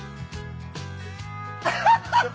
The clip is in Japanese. アハハハ！